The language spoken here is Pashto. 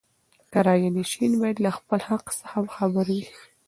کرایه نشین باید له خپل حق څخه خبر وي.